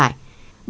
bằng tình yêu